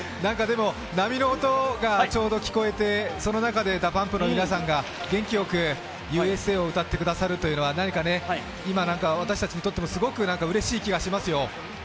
波の音がちょうど聞こえて、その中でＤＡＰＵＭＰの皆さんが元気よく「Ｕ．Ｓ．Ａ．」を歌ってくださるというのは今、私たちとってもすごくうれしい気がしますよ。